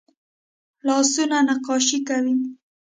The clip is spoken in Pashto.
لاسونه نقاشي کوي